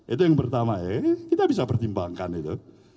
itu yang pertama ya kita bisa pertimbangkan itu